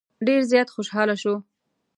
ډېر زیات خوشاله شو.